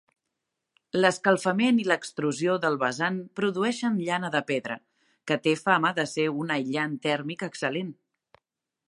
L'escalfament i l'extrusió del basalt produeixen llana de pedra, que té fama de ser un aïllant tèrmic excel·lent.